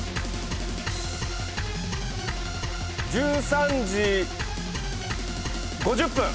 １３時５０分！